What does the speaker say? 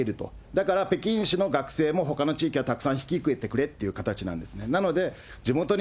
だから北京市の学生もほかの地域がたくさん引き受けてくれって形なんですね。